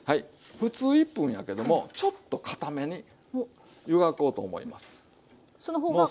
ふつう１分やけどもちょっとかために湯がこうと思います。